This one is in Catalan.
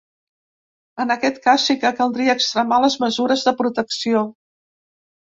En aquest cas, sí que caldria extremar les mesures de protecció.